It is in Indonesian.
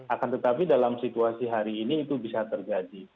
akan tetapi dalam situasi hari ini itu bisa terjadi